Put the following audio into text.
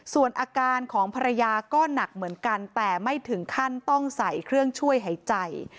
ส่วนอาการของภรรยาก็หนักเหมือนกันแต่ไม่ถึงขั้นต้องใส่เครื่องช่วยหายใจ